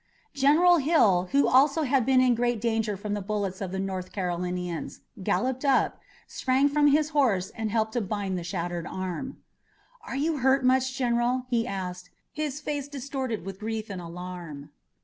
General Hill, who also had been in great danger from the bullets of the North Carolinians, galloped up, sprang from his horse and helped to bind up the shattered arm. "Are you much hurt, General?" he asked, his face distorted with grief and alarm.